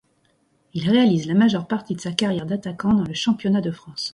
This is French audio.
Il réalise la majeure partie de sa carrière d'attaquant dans le championnat de France.